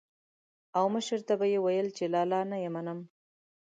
او مشر ته به یې ويل چې لالا نه يې منم.